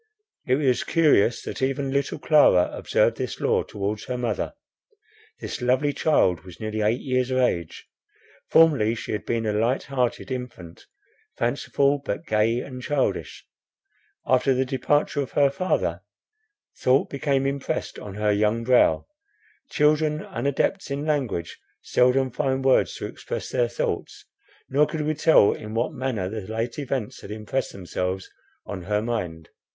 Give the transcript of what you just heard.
It was curious that even little Clara observed this law towards her mother. This lovely child was nearly eight years of age. Formerly she had been a light hearted infant, fanciful, but gay and childish. After the departure of her father, thought became impressed on her young brow. Children, unadepts in language, seldom find words to express their thoughts, nor could we tell in what manner the late events had impressed themselves on her mind.